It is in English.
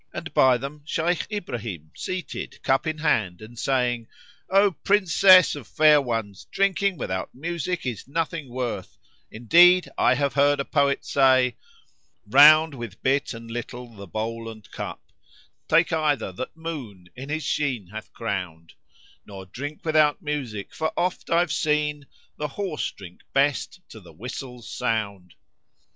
and by them Shaykh Ibrahim seated cup in hand and saying, "O Princess of fair ones, drinking without music is nothing worth; indeed I have heard a poet say, 'Round with big and little, the bowl and cup, * Take either that moon[FN#53] in his sheen hath crowned: Nor drink without music, for oft I've seen, * The horse drink best to the whistle's sound!'"